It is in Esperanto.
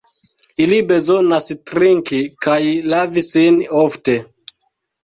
Ili bezonas trinki kaj lavi sin ofte.